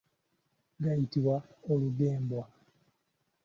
Gayitibwa olugembya.